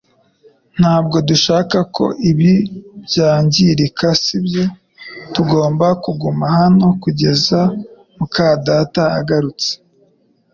Ntabwo dushaka ko ibi byangirika, sibyo? Tugomba kuguma hano kugeza muka data agarutse